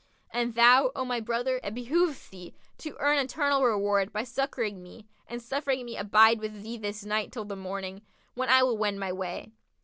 And thou, O my brother, it behoveth thee to earn eternal reward by succouring me and suffering me abide with thee this night till the morning, when I will wend my way."